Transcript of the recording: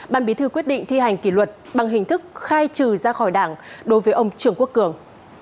ban bí thư quyết định thi hành kỷ luật bằng hình thức khai trừ ra khỏi đảng đối với ông trường quốc cường